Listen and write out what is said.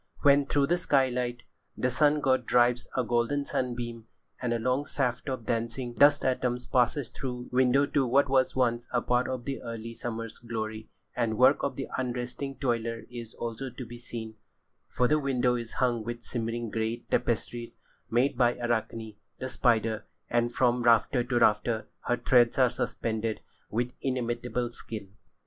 When, through the skylight, the sun god drives a golden sunbeam, and a long shaft of dancing dust atoms passes from the window to what was once a [Pg 83] part of the early summer's glory, the work of the unresting toiler is also to be seen, for the window is hung with shimmering grey tapestries made by Arachne, the spider, and from rafter to rafter her threads are suspended with inimitable skill.